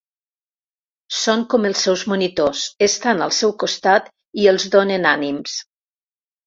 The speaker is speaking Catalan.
Són com els seus monitors, estan al seu costat i els donen ànims.